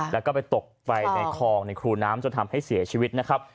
แล้วก็ไปตกไปในคลองในครูน้ำจนทำให้เสียชีวิตนะครับ